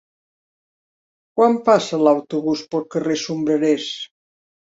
Quan passa l'autobús pel carrer Sombrerers?